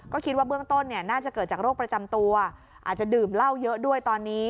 ก็คิดว่าเบื้องต้นน่าจะเกิดจากโรคประจำตัวอาจจะดื่มเหล้าเยอะด้วยตอนนี้